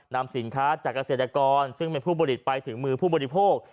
นำสินค้าจากเกษตรกรซึ่งเป็นผู้ผลิตไปถึงมือผู้บริโภค